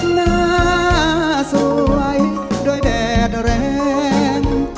หน้าสวยด้วยแดดแรง